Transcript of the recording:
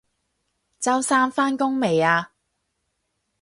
周生返工未啊？